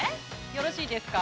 よろしいですか？